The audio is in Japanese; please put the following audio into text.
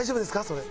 それ。